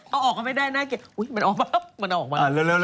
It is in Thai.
เอาออกมาไม่ได้นะเกียจเฮ้ยมันออกมาแล้ว